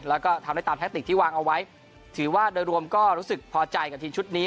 แล้วก็ทำได้ตามแทคติกที่วางเอาไว้ถือว่าโดยรวมก็รู้สึกพอใจกับทีมชุดนี้